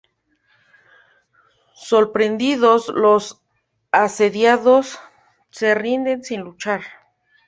Sorprendidos, los asediados se rinden sin luchar.